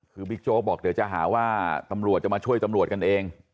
คือบิ๊กโจ๊กบอกเดี๋ยวจะหาว่าตำรวจจะมาช่วยตำรวจกันเอง